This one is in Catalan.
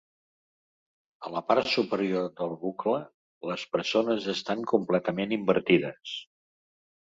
A la part superior del bucle, les persones estan completament invertides.